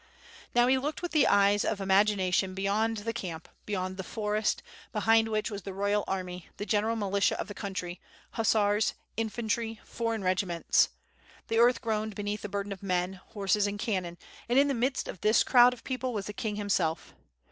Now he looked with the eye? of imagination beyond the famp, beyond the forest, behind which was the royal army, the general militia of the country, hussars, infantry, foreign re^ments. The earth groaned beneath the burden of men, horses, and cannon, and in the midst of this crowd of people j^ WITH FIRE AND SWORD. was the king himself.